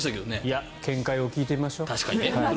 いや見解を聞いてみましょう。